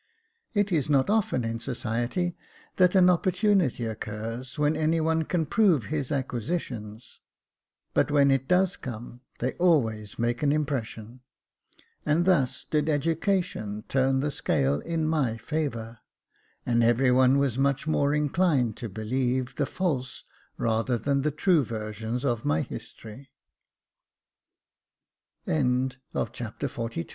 It is not often in society that an opportunity occurs when any one can prove his acquisi tions ; but when it does come, they always make an impression ; and thus did education turn the scale in my favour, and every one was much more inclined to believe the false rather than the true versions o